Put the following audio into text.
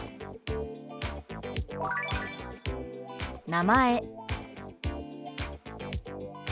「名前」。